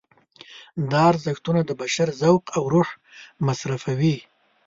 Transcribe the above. دا ارزښتونه د بشر ذوق او روح مصرفوي.